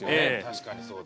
確かにそうだ。